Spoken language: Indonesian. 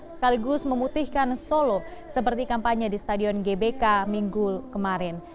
sekaligus memutihkan solo seperti kampanye di stadion gbk minggu kemarin